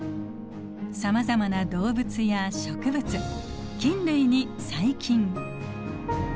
さまざまな動物や植物菌類に細菌。